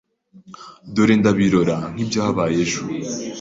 Dore ndabirora nkibyabaye ejo